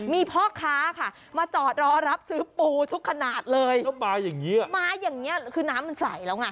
มีพ่อค้าค่ะมาจอดรอรับซื้อปูทุกขนาดเลยคืนน้ำมันใสแล้วไง